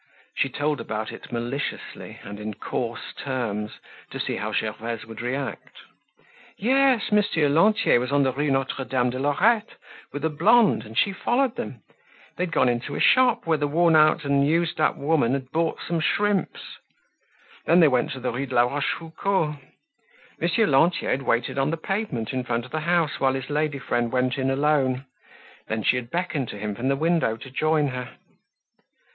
She told about it maliciously and in coarse terms to see how Gervaise would react. Yes, Monsieur Lantier was on the Rue Notre Dame de Lorette with a blonde and she followed them. They had gone into a shop where the worn out and used up woman had bought some shrimps. Then they went to the Rue de La Rochefoucauld. Monsieur Lantier had waited on the pavement in front of the house while his lady friend went in alone. Then she had beckoned to him from the window to join her.